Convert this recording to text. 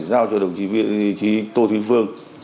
giao cho đồng chí tô thuy phương